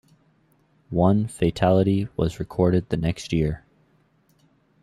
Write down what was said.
One fatality was recorded the next year.